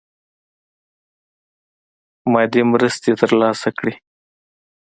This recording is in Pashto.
مادي مرستي تر لاسه کړي.